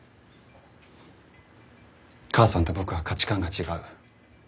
母さんと僕は価値観が違う。